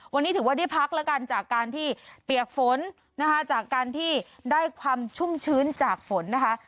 วันนี้ถือว่าได้พักแล้วกันจากการที่เปียกฝนนะคะจากการที่ได้ความชุ่มชื้นจากฝนนะคะ